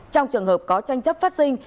trong trường hợp có tranh chất phát sinh